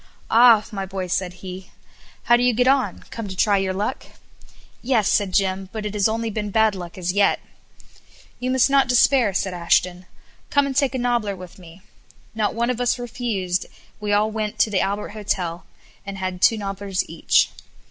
"Ah! my boy," said he, "how do you get on? Come to try your luck?" "Yes," said Jim, "but it has only been bad luck as yet." "You must not despair." said Ashton. "Come and take a nobbler with me." Not one of us refused, we all went to the Albert Hotel, and had two nobblers each.